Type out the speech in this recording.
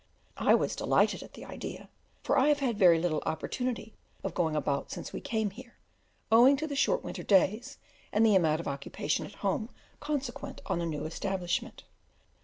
I was delighted at the idea, for I have had very little opportunity of going about since we came here, owing to the short winter days and the amount of occupation at home consequent on a new establishment.